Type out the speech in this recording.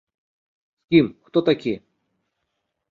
З кім, хто такі?